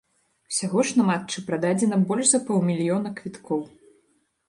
Усяго ж на матчы прададзена больш за паўмільёна квіткоў.